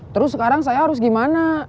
terus sekarang saya harus gimana